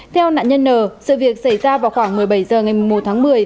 theo nạn nhân n sự việc xảy ra vào khoảng một mươi bảy h ngày một tháng một mươi